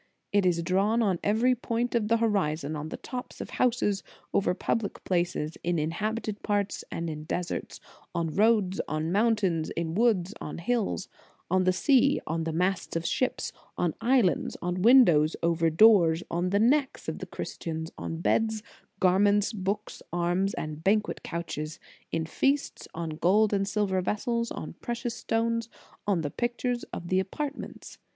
It is drawn on every point of the horizon, on the tops of houses, over public places, in inhabited parts and in deserts, on roads, on mountains, in woods, on hills, on the sea, on the masts of ships, on islands, on win dows, over doors, on the necks of Christians, on beds, garments, books, arms, and banquet couches, in feasts, on gold and silver vessels, on precious stones, on the pictures of the apartments.